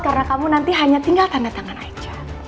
karena kamu nanti hanya tinggal tanda tangan aja